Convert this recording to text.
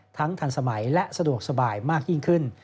ทันสมัยและสะดวกสบายมากยิ่งขึ้น